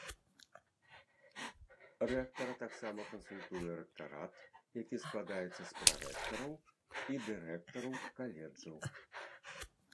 Рэктара таксама кансультуе рэктарат, які складаецца з прарэктараў і дырэктараў каледжаў.